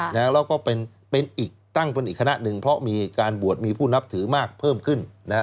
แล้วก็เป็นอีกตั้งเป็นอีกคณะหนึ่งเพราะมีการบวชมีผู้นับถือมากเพิ่มขึ้น